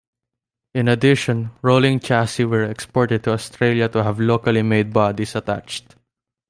In addition, rolling chassis were exported to Australia to have locally made bodies attached.